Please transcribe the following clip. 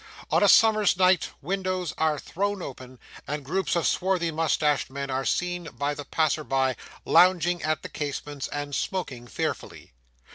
On a summer's night, windows are thrown open, and groups of swarthy moustached men are seen by the passer by, lounging at the casements, and smoking fearfully.